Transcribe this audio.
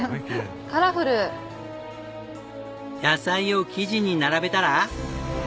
野菜を生地に並べたら。